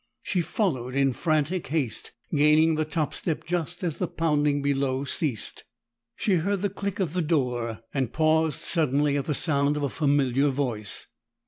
She followed in frantic haste, gaining the top step just as the pounding below ceased. She heard the click of the door, and paused suddenly at the sound of a familiar voice.